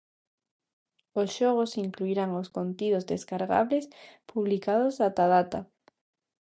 Os xogos incluirán os contidos descargables publicados ata a data.